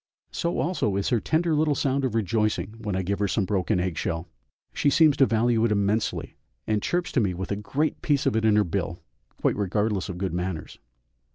So also is her tender little sound of rejoicing when I give her some broken egg shell; she seems to value it immensely, and chirps to me with a great piece of it in her bill, quite regardless of good manners.